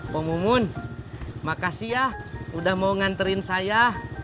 pak mumun makasih ya udah mau nganterin saya